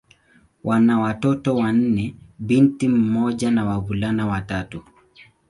Wana watoto wanne: binti mmoja na wavulana watatu.